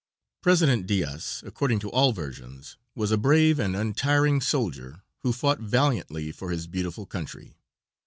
President Diaz, according to all versions, was a brave and untiring soldier, who fought valiantly for his beautiful country.